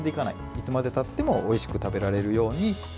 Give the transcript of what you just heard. いつまでたってもおいしく食べられるように。